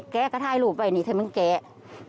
แกะกระทายหลูปไว้นะเธอมันแกะ